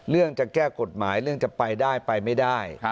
จะแก้กฎหมายเรื่องจะไปได้ไปไม่ได้